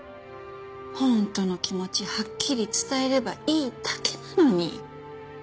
本当の気持ちはっきり伝えればいいだけなのに！